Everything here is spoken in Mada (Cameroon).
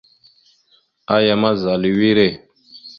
Aya ma, zal a wire.